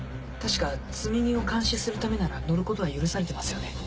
確か積み荷を監視するためなら乗ることは許されてますよね？